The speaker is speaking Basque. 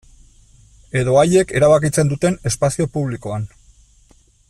Edo haiek erabakitzen duten espazio publikoan.